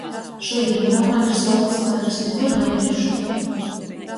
Šudiņ uorā ir solts laiks. Nikur naīšu.